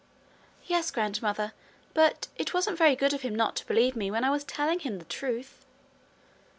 'Yes, grandmother. But it wasn't very good of him not to believe me when I was telling him the truth.'